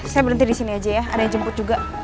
saya berhenti disini aja ya ada yang jemput juga